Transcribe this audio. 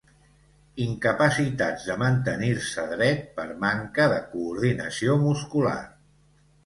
Incapacitats de mantenir-se dret, per manca de coordinació muscular.